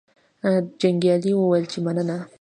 جنګیالي وویل چې مننه.